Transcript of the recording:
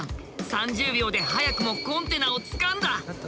３０秒で早くもコンテナをつかんだ。